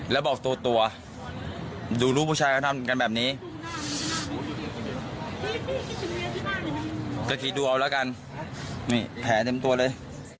แล้วบอกตัวดูลูกผู้ชายเขาทำกันแบบนี้ก็คิดดูเอาแล้วกันนี่แผลเต็มตัวเลย